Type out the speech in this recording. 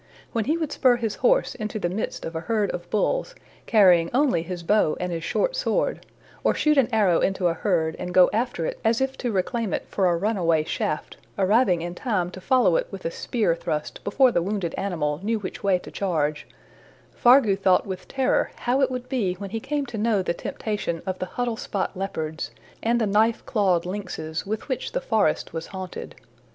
When he would spur his horse into the midst of a herd of bulls, carrying only his bow and his short sword, or shoot an arrow into a herd, and go after it as if to reclaim it for a runaway shaft, arriving in time to follow it with a spear thrust before the wounded animal knew which way to charge, Fargu thought with terror how it would be when he came to know the temptation of the huddle spot leopards, and the knife clawed lynxes, with which the forest was haunted.